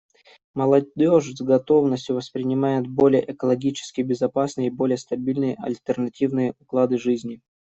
Молодежь с готовностью воспринимает более экологически безопасные и более стабильные альтернативные уклады жизни.